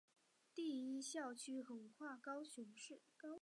第一校区横跨高雄市燕巢区与楠梓区。